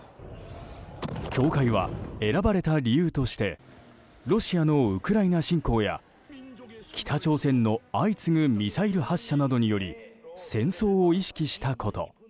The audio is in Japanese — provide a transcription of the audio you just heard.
協会は選ばれた理由としてロシアのウクライナ侵攻や北朝鮮の相次ぐミサイル発射により戦争を意識したこと。